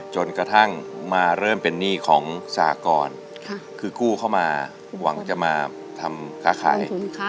จนกระทั่งมาเริ่มเป็นหนี้ของสหกรคือกู้เข้ามาหวังจะมาทำค้าขาย